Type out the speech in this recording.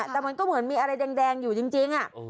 แต่มันก็เหมือนมีอะไรแดงอยู่จริง